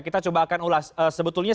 kita coba akan ulas sebetulnya